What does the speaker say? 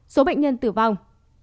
số bệnh nhân tử vong